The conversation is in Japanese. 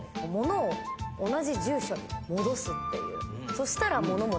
そしたら。